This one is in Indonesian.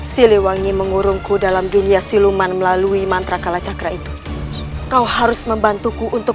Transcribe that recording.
siliwangi mengurungku dalam dunia siluman melalui mantra kalacakra itu kau harus membantuku untuk